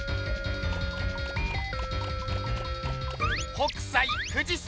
北斎富士山！